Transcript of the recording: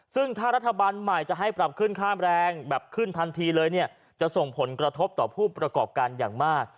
ซึ่งถ้ารัฐบาลใหม่จะให้ปรับขึ้นค่าแรงแบบขึ้นทันทีเลยเนี่ยจะส่งผลกระทบต่อผู้ประกอบการอย่างมาก